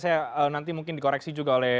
saya nanti mungkin dikoreksi juga oleh